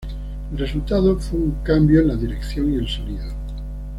El resultado fue un cambio en la dirección y el sonido.